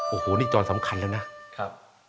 โอ้โหนี่จรสำคัญแล้วนะครับ